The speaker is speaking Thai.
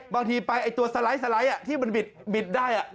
บางทีไปตัวสไลด์ที่มันบิดได้